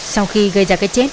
sau khi gây ra cái chết